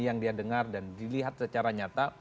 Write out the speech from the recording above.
yang dia dengar dan dilihat secara nyata